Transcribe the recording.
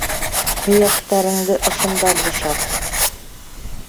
Һөйәктәреңде ошонда бушат.